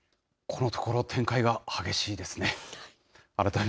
このところ、展開が激しいですね。